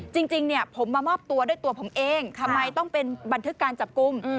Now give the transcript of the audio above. จริงผมมามอบตัวด้วยตัวผมเองทำไมต้องเป็นบันทึกการจับกลุ่ม